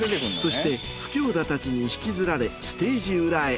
そしてフキョーダたちに引きずられステージ裏へ。